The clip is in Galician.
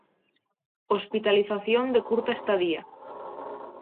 Hospitalización de Curta Estadía.